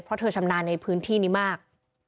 เพราะเธอชำนาญในพื้นที่นี้มาก